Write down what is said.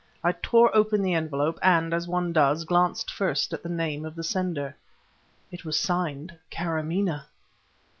I tore open the envelope and, as one does, glanced first at the name of the sender. It was signed "Kâramaneh!"